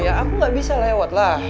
ya aku nggak bisa lewat lah